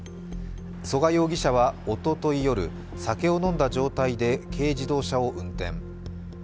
曽我容疑者はおととい夜、酒を飲んだ状態で軽自動車を運転。